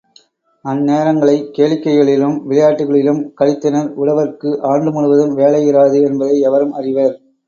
அந்நேரங்களைக் கேளிக்கைகளிலும் விளையாட்டுகளிலும் கழித்தனர் உழவர்கட்கு ஆண்டு முழுவதும் வேலை இராது என்பதை எவரும் அறிவர்.